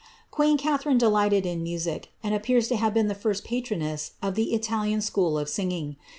^ueen Catharine delighted in music, and appears to have been the first patroness of the Italian school of singing.